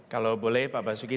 kalau boleh pak basuki